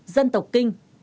dân tộc kinh